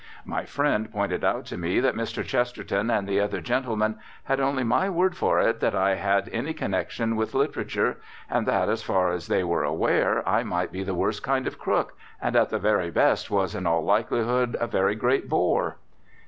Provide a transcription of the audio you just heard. My friend pointed out to me that Mr. Chesterton and the other gentlemen had only my word for it that I had any connection with literature, and that as far as they were aware I might be the worst kind of crook, and at the very best was in all likelihood a very great bore.